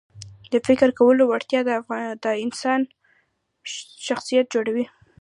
د فکر کولو وړتیا د انسان شخصیت جوړوي.